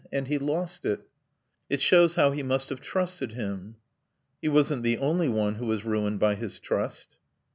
And he lost it." "It shows how he must have trusted him." "He wasn't the only one who was ruined by his trust."